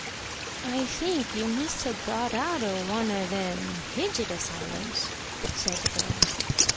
"I think you must ha' got out o' one o' them Hidget Asylms," said the girl.